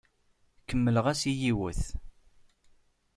Kemmleɣ-as i yiwet.